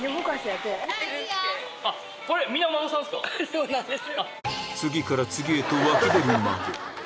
そうなんです。